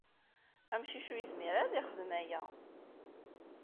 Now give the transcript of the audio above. Amcic ur yezmir ara ad yexdem aya.